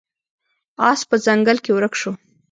اس په ځنګل کې ورک شو.